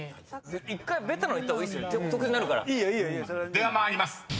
［では参ります。